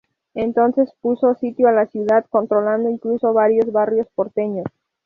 Entonces puso sitio a la ciudad, controlando incluso varios barrios porteños.